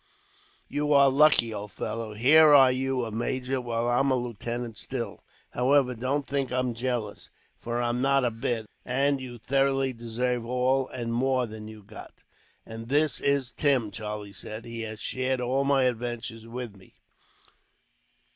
"You are lucky, old fellow. Here are you a major, while I'm a lieutenant, still. However, don't think I'm jealous, for I'm not a bit, and you thoroughly deserve all, and more than you've got." "And this is Tim," Charlie said. "He has shared all my adventures with me."